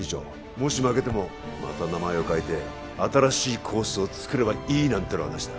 もし負けてもまた名前を変えて新しいコースを作ればいいなんてのはなしだ